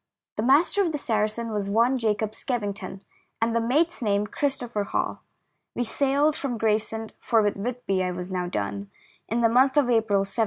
The master of the Saracen was one Jacob Skevington, and the mate's name Christopher Hall. We sailed from Gravesend — for with Whitby I was now done — in the month of April, 1796.